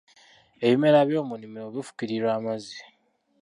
Ebimera by'omu nnimiro bufukirirwa amazzi